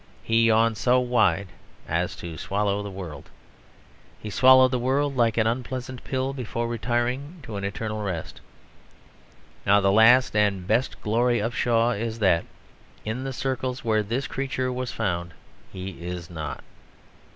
He yawned so wide as to swallow the world. He swallowed the world like an unpleasant pill before retiring to an eternal rest. Now the last and best glory of Shaw is that in the circles where this creature was found, he is not.